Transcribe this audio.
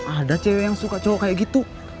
ada cewek yang suka cowok cowok kayak gitu